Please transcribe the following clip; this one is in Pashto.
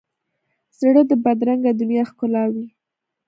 زړه د بدرنګه دنیا ښکلاوي.